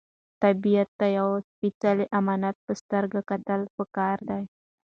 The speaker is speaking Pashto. طبیعت ته د یو سپېڅلي امانت په سترګه کتل پکار دي.